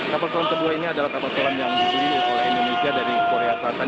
kapal selam kedua ini adalah kapal selam yang dibeli oleh indonesia dari korea selatan